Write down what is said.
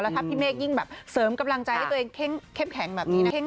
ถ้าพี่เมฆยิ่งแบบเสริมกำลังใจให้ตัวเองเข้มแข็งแบบนี้นะคะ